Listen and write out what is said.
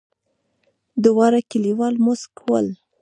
دواړه کليوال موسک ول.